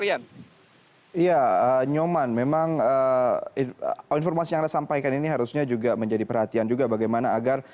iya nyoman memang informasi yang anda sampaikan ini harusnya juga menjadi perhatian juga bagaimana agar